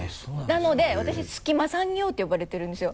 なので私「隙間産業」って呼ばれてるんですよ。